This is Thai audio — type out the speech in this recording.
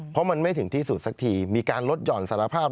เพราะมันไม่ถึงที่สุดสักทีมีการลดหย่อนสารภาพ